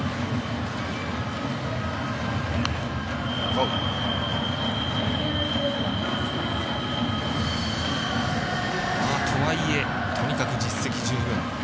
とはいえ、とにかく実績十分。